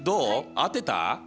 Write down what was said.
合ってた？